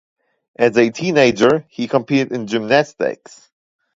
As a teenager he competed in gymnastics.